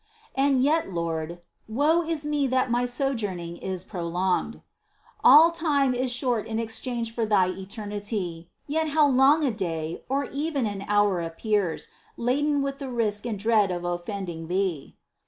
And yet, Lord, " Woe is me that my sojourning is prolonged." ^ All time is short in exchange for Thine eternity, yet how long a day, or even an hour appears, laden with the risk and dread of oñending Thee